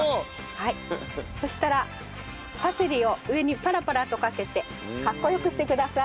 はいそしたらパセリを上にパラパラとかけてかっこよくしてください。